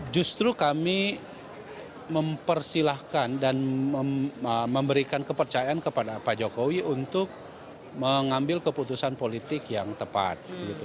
justru kami mempersilahkan dan memberikan kepercayaan kepada pak jokowi untuk mengambil keputusan politik yang tepat